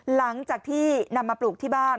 หลังจากที่นำมาปลูกที่บ้าน